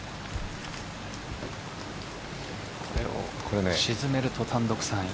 これを沈めると単独３位。